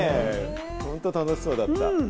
本当楽しそうだった。